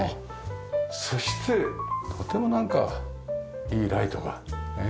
そしてとてもなんかいいライトが。